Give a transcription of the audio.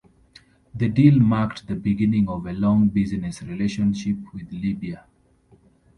The deal marked the beginning of a long business relationship with Libya.